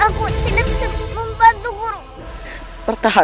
aku tidak mau bertahan